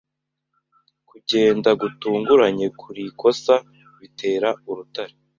Kugenda gutunguranye kurikosa bitera urutare